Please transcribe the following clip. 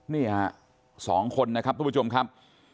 นี่ฮะ๒คนนะครับทุกผู้ชมครับ